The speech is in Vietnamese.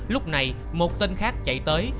lúc này một tên khác chạy tới